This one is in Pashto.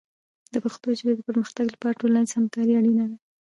د پښتو ژبې د پرمختګ لپاره ټولنیز همکاري اړینه ده.